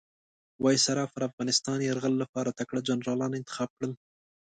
وایسرا پر افغانستان یرغل لپاره تکړه جنرالان انتخاب کړل.